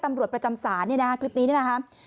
ตำรวจประจำศาลเนี่ยนะฮะคลิปนี้นี่นะครับ